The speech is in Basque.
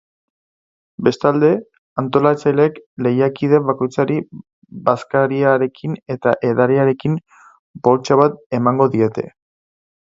Bestalde, antolatzaileek lehiakide bakoitzari bazkariarekin eta edariarekin poltsa bat emango diete.